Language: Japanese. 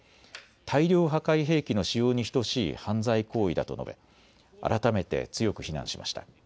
大量破壊兵器の使用に等しい犯罪行為だと述べ、改めて強く非難しました。